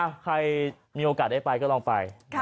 ใครมีโอกาสได้ไปก็ลองไป